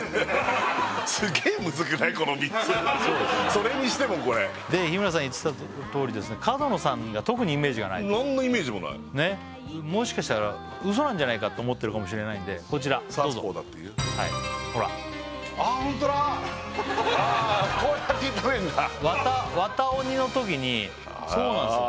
それにしてもこれで日村さん言ってたとおり角野さんが特にイメージがない何のイメージもないなんじゃないかと思ってるかもしれないんでこちらどうぞはいほらああこうやって炒めんだ「渡鬼」のときにそうなんですよ